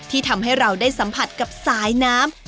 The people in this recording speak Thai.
ทำให้เราได้สัมผัสกับสายน้ำ